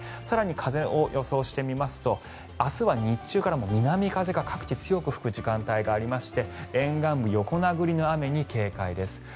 更に風を予想してみますと明日は日中から南風が各地強く吹く時間帯がありまして沿岸部、横殴りの雨に警戒です。